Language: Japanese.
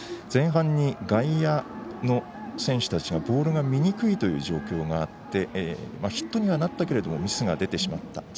前半に外野の選手たちがボールが見にくいという状況があってヒットにはなったけれどミスが出てしまった。